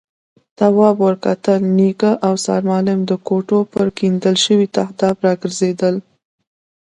تواب ور وکتل، نيکه او سرمعلم د کوټو پر کېندل شوي تهداب راګرځېدل.